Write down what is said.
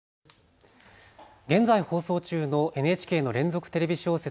現在、放送中のＮＨＫの連続テレビ小説